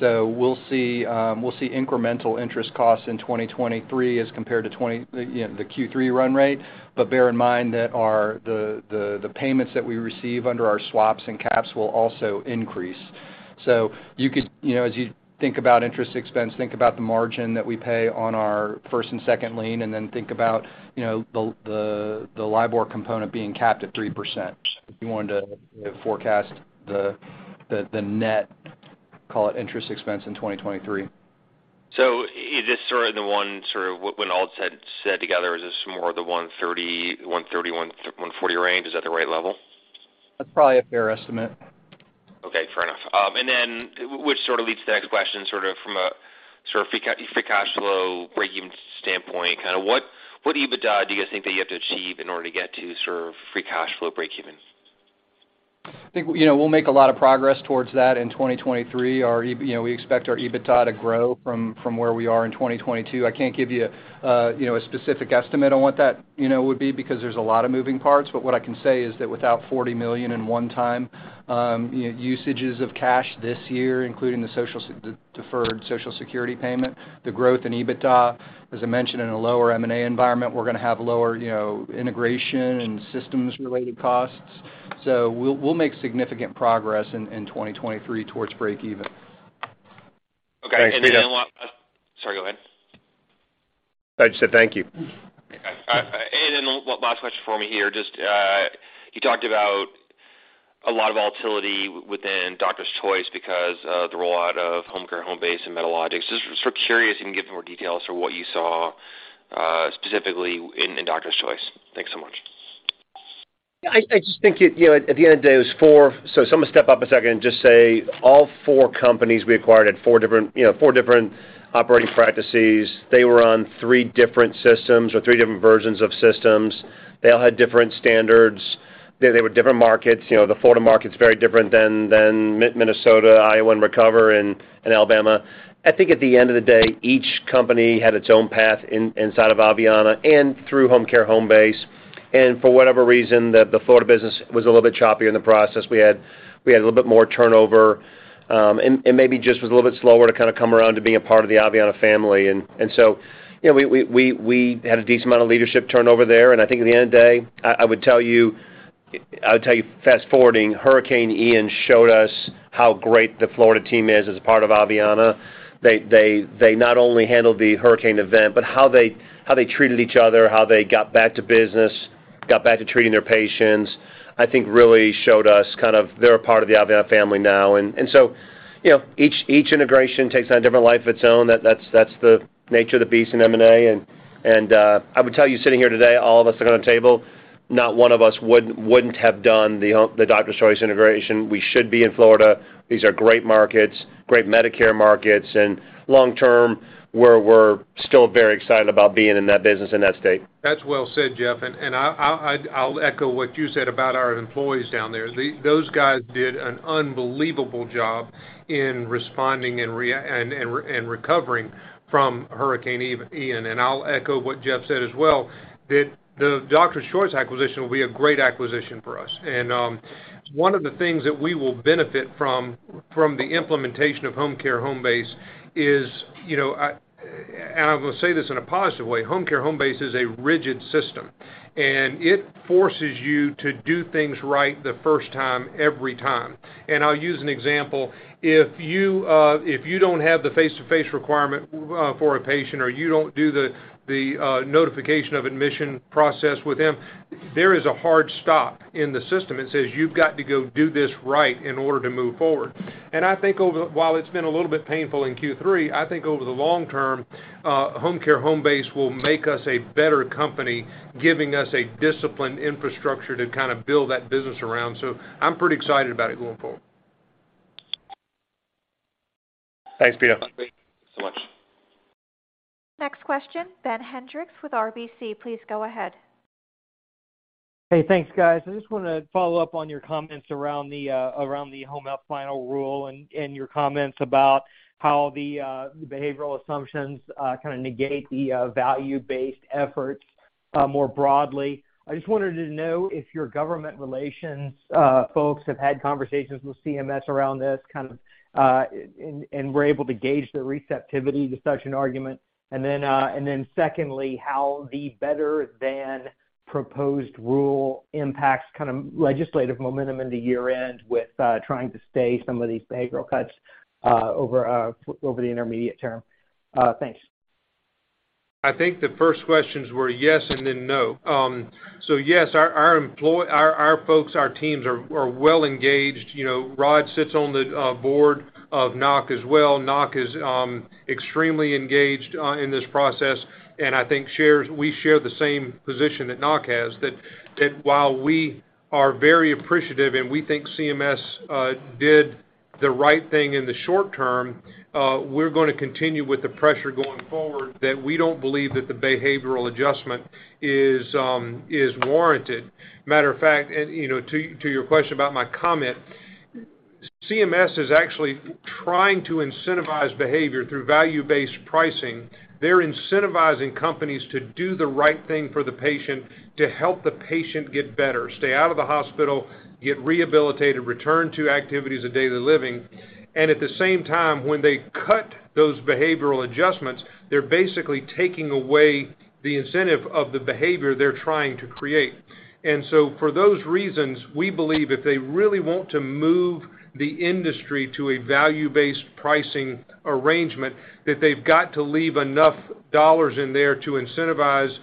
[SPEAKER 5] We'll see incremental interest costs in 2023 as compared to 2023, you know, the Q3 run rate. But bear in mind that the payments that we receive under our swaps and caps will also increase. You could, you know, as you think about interest expense, think about the margin that we pay on our first and second lien, and then think about, you know, the LIBOR component being capped at 3% if you wanted to forecast the net, call it, interest expense in 2023.
[SPEAKER 8] Is this sort of the one sort of when all's said and done, is this more of the 130-140 range? Is that the right level?
[SPEAKER 4] That's probably a fair estimate.
[SPEAKER 8] Okay, fair enough. Which sort of leads to the next question, sort of from a sort of free cash flow breakeven standpoint, kind of what EBITDA do you guys think that you have to achieve in order to get to sort of free cash flow breakeven?
[SPEAKER 5] I think, you know, we'll make a lot of progress towards that in 2023. Our EBITDA, you know, we expect our EBITDA to grow from where we are in 2022. I can't give you know, a specific estimate on what that, you know, would be because there's a lot of moving parts. What I can say is that without $40 million in one-time, you know, usages of cash this year, including the deferred Social Security payment, the growth in EBITDA, as I mentioned, in a lower M&A environment, we're gonna have lower, you know, integration and systems-related costs. We'll make significant progress in 2023 towards breakeven.
[SPEAKER 3] Thanks, Pito.
[SPEAKER 8] Okay. Sorry, go ahead.
[SPEAKER 3] I just said thank you.
[SPEAKER 8] Okay. Last question for me here. Just, you talked about a lot of volatility within Doctor's Choice because of the rollout of Homecare Homebase and Medalogix. Just sort of curious if you can give more details for what you saw, specifically in Doctor's Choice. Thanks so much.
[SPEAKER 4] Yeah, I just think it, you know, at the end of the day, it was four. I'm gonna step up a second and just say all four companies we acquired had four different, you know, four different operating practices. They were on three different systems or three different versions of systems. They all had different standards. They were different markets. You know, the Florida market's very different than Minnesota, Iowa, and Recover, and Alabama. I think at the end of the day, each company had its own path inside of Aveanna and through Homecare Homebase. For whatever reason, the Florida business was a little bit choppier in the process. We had a little bit more turnover, and maybe just was a little bit slower to kind of come around to being a part of the Aveanna family. You know, we had a decent amount of leadership turnover there. I think at the end of the day, I would tell you fast-forwarding, Hurricane Ian showed us how great the Florida team is as a part of Aveanna. They not only handled the hurricane event, but how they treated each other, how they got back to business, got back to treating their patients, I think really showed us kind of they're a part of the Aveanna family now. You know, each integration takes on a different life of its own. That's the nature of the beast in M&A. I would tell you sitting here today, all of us sitting around the table, not one of us wouldn't have done the Doctor's Choice integration. We should be in Florida. These are great markets, great Medicare markets, and long term, we're still very excited about being in that business in that state.
[SPEAKER 3] That's well said, Jeff. I'll echo what you said about our employees down there. Those guys did an unbelievable job in responding and recovering from Hurricane Ian. I'll echo what Jeff said as well, that the Doctor's Choice acquisition will be a great acquisition for us. One of the things that we will benefit from the implementation of Homecare Homebase is, you know. I will say this in a positive way. Homecare Homebase is a rigid system, and it forces you to do things right the first time, every time. I'll use an example. If you don't have the face-to-face requirement for a patient or you don't do the notification of admission process with them, there is a hard stop in the system that says, "You've got to go do this right in order to move forward." I think while it's been a little bit painful in Q3, I think over the long term, Homecare Homebase will make us a better company, giving us a disciplined infrastructure to kinda build that business around. I'm pretty excited about it going forward.
[SPEAKER 1] Thanks, Pito.
[SPEAKER 8] Thanks so much.
[SPEAKER 1] Next question, Ben Hendrix with RBC. Please go ahead.
[SPEAKER 9] Hey, thanks, guys. I just wanna follow up on your comments around the home health final rule and your comments about how the behavioral assumptions kinda negate the value-based efforts more broadly. I just wanted to know if your government relations folks have had conversations with CMS around this kind and were able to gauge the receptivity to such an argument. Then secondly, how the better-than-proposed rule impacts kind of legislative momentum in the year-end with trying to stave some of these behavioral cuts over the intermediate term. Thanks.
[SPEAKER 3] I think the first questions were yes and then no. Yes, our folks, our teams are well engaged. You know, Rod sits on the board of NAHC as well. NAHC is extremely engaged in this process and I think we share the same position that NAHC has. That while we are very appreciative and we think CMS did the right thing in the short term, we're gonna continue with the pressure going forward that we don't believe that the behavioral adjustment is warranted. Matter of fact, you know, to your question about my comment, CMS is actually trying to incentivize behavior through value-based pricing. They're incentivizing companies to do the right thing for the patient to help the patient get better, stay out of the hospital, get rehabilitated, return to activities of daily living. At the same time, when they cut those behavioral adjustments, they're basically taking away the incentive of the behavior they're trying to create. For those reasons, we believe if they really want to move the industry to a value-based pricing arrangement, that they've got to leave enough dollars in there to incentivize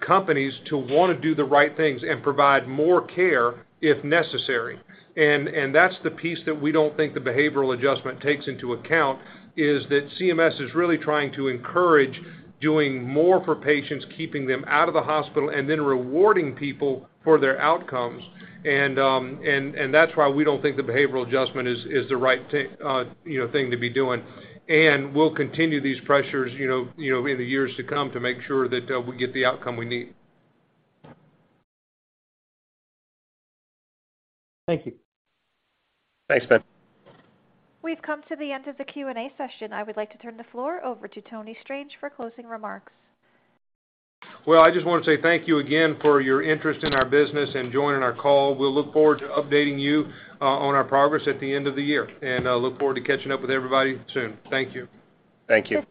[SPEAKER 3] companies to wanna do the right things and provide more care if necessary. That's the piece that we don't think the behavioral adjustment takes into account, is that CMS is really trying to encourage doing more for patients, keeping them out of the hospital, and then rewarding people for their outcomes. That's why we don't think the behavioral adjustment is the right thing to be doing. We'll continue these pressures in the years to come to make sure that we get the outcome we need.
[SPEAKER 9] Thank you.
[SPEAKER 1] Thanks, Ben. We've come to the end of the Q&A session. I would like to turn the floor over to Tony Strange for closing remarks.
[SPEAKER 3] Well, I just wanna say thank you again for your interest in our business and joining our call. We'll look forward to updating you on our progress at the end of the year. Look forward to catching up with everybody soon. Thank you.
[SPEAKER 1] Thank you.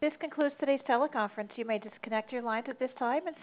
[SPEAKER 1] This concludes today's teleconference. You may disconnect your lines at this time, and thank you.